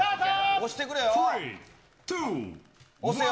押してくれよ。